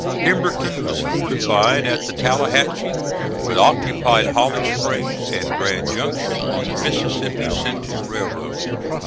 Pemberton was fortified at the Tallahatchie, but occupied Holly Springs and Grand Junction on the Mississippi Central railroad.